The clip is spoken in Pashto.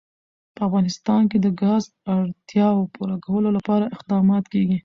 په افغانستان کې د ګاز د اړتیاوو پوره کولو لپاره اقدامات کېږي.